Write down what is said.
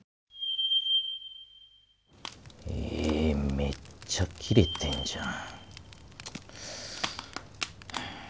めっちゃキレてんじゃん。